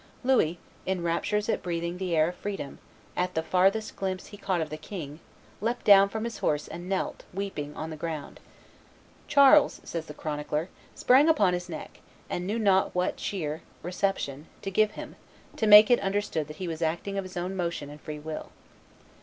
Louis, in raptures at breathing the air of freedom, at the farthest glimpse he caught of the king, leaped down from his horse and knelt, weeping, on the ground. "Charles," says the chronicler, "sprang upon his neck, and knew not what cheer (reception) to give him, to make it understood that he was acting of his own motion and free will."